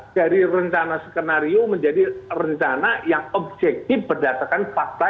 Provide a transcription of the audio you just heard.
dari rencana skenario menjadi rencana yang objektif berdasarkan fakta